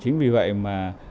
chính vì vậy mà